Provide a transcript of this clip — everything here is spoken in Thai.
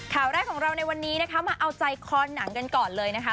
ข่าวแรกของเราในวันนี้นะคะมาเอาใจคอหนังกันก่อนเลยนะคะ